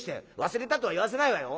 忘れたとは言わせないわよ！